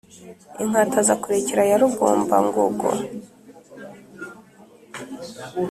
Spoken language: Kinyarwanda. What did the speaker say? inkatazakurekera ya rugombangogo